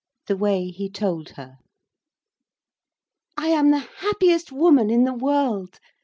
THE WAY HE TOLD HER I am the happiest woman in the world!